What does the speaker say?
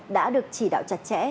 đã được chỉ đạo chặt chẽ